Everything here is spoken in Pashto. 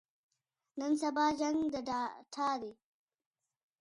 نن سبا جنګ د ډاټا دی.